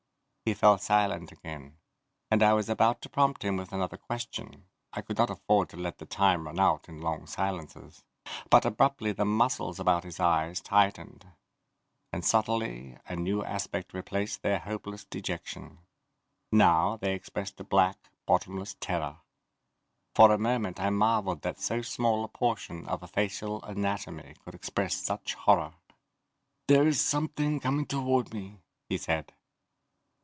He fell silent again, and I was about to prompt him with another question I could not afford to let the time run out in long silences but abruptly the muscles about his eyes tightened and subtly a new aspect replaced their hopeless dejection. Now they expressed a black, bottomless terror. For a moment I marveled that so small a portion of a facial anatomy could express such horror. "There is something coming toward me," he said.